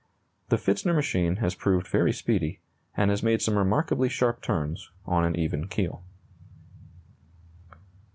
The Pfitzner machine has proved very speedy, and has made some remarkably sharp turns on an even keel.